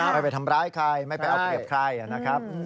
ไม่ไปทำร้ายใครไม่ไปเอาเปรียบใครนะครับ